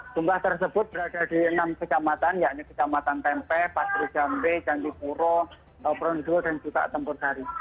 jumlah tersebut berada di enam kecamatan yakni kecamatan tempe pasir jambi jandiburo prondul dan jutak tempur dari